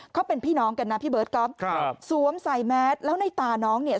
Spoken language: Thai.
เขาเป็นพี่น้องกันนะพี่เบิร์ตก๊อฟครับสวมใส่แมสแล้วในตาน้องเนี่ย